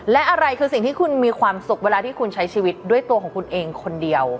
และอะไรคือสิ่งที่คุณมีความสุขเวลาที่คุณใช้ชีวิตด้วยตัวของคุณเองคนเดียว